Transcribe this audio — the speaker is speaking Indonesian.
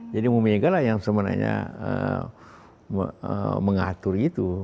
jadi ibu megalah yang sebenarnya mengatur itu